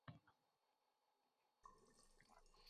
Sen ham, Tani ham golf o`ynardinglar